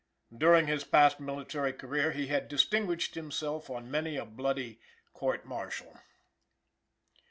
During his past military career he had distinguished himself on many a bloody court martial.